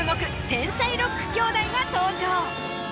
天才ロック兄妹が登場。